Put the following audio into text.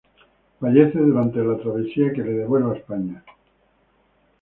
Fallece durante la travesía que le devuelve a España.